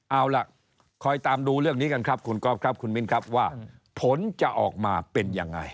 เอาล่ะคอยตามดูเรื่องนี้กันครับคุณก๊อฟครับคุณมิ้นครับว่าผลจะออกมาเป็นยังไง